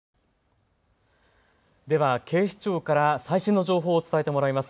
では警視庁から最新の情報を伝えてもらいます。